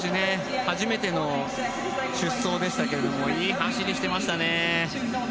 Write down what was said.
初めての出走でしたけどいい走りしていましたね。